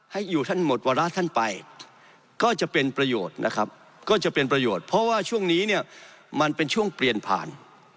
ให้อยู่ท่านหมดวาระท่านไปก็จะเป็นประโยชน์นะครับก็จะเป็นประโยชน์เพราะว่าช่วงนี้เนี่ยมันเป็นช่วงเปลี่ยนผ่าน